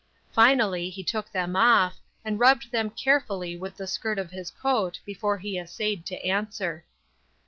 Finally he took them off, and rubbed them carefully with the skirt of his coat before he essayed to answer.